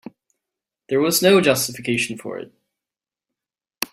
There was no justification for it.